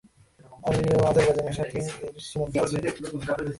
Armenia ও আজারবাইজানের সাথে এর সীমান্ত আছে।